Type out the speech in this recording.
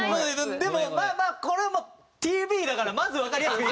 でもまあまあこれはもうＴＶだからまずわかりやすく。